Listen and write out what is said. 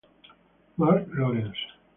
Marc Lawrence